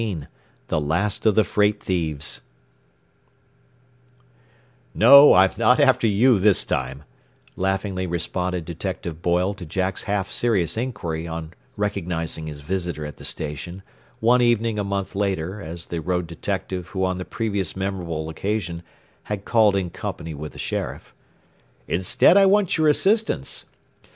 XIV THE LAST OF THE FREIGHT THIEVES "No; I'm not after you this time," laughingly responded Detective Boyle to Jack's half serious inquiry on recognizing his visitor at the station one evening a month later as the road detective who on the previous memorable occasion had called in company with the sheriff. "Instead, I want your assistance.